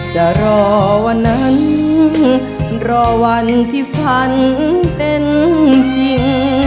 จะรอวันนั้นรอวันที่ฝันเป็นจริง